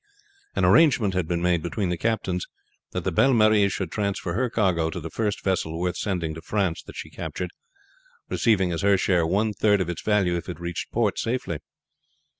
An arrangement had been made between the captains that the Belle Marie should transfer her cargo to the first vessel worth sending to France that she captured, receiving as her share one third of its value if it reached port safely.